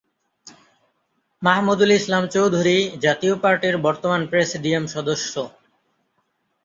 মাহমুদুল ইসলাম চৌধুরী জাতীয় পার্টির বর্তমান প্রেসিডিয়াম সদস্য।